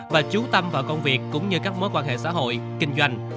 và chú tâm vào công việc cũng như các mối quan hệ xã hội kinh doanh